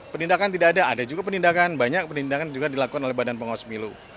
penindakan tidak ada ada juga penindakan banyak penindakan juga dilakukan oleh badan pengawas milu